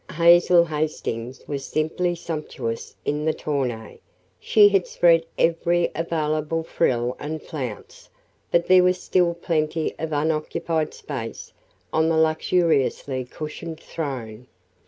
Hazel Hastings was simply sumptuous in the tonneau she had spread every available frill and flounce, but there was still plenty of unoccupied space on the luxuriously cushioned "throne."